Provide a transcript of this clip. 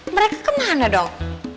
mereka kemana dong